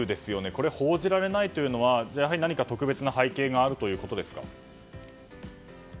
これが報じられないというのはやはり何か特別な背景があるということですか？